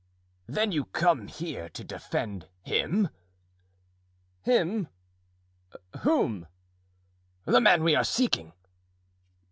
"Then you came here to defend him?" "Him? whom?" "The man we are seeking."